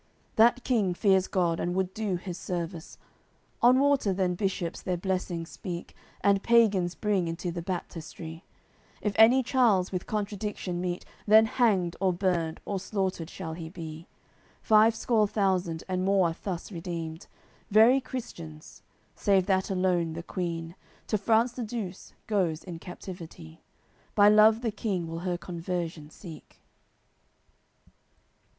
That King fears God, and would do His service, On water then Bishops their blessing speak, And pagans bring into the baptistry. If any Charles with contradiction meet Then hanged or burned or slaughtered shall he be. Five score thousand and more are thus redeemed, Very Christians; save that alone the queen To France the Douce goes in captivity; By love the King will her conversion seek.